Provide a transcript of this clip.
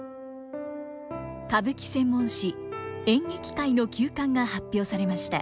歌舞伎専門誌「演劇界」の休刊が発表されました。